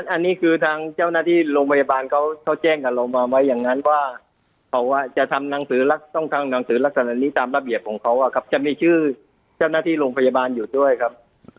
อันนี้คือทางเจ้าหน้าที่โรงพยาบาลเขาแจ้งกับเรามาไว้อย่างนั้นว่าเขาจะทำหนังสือต้องทำหนังสือลักษณะนี้ตามระเบียบของเขาจะมีชื่อเจ้าหน้าที่โรงพยาบาลอยู่ด้วยครับ